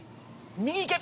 右行け！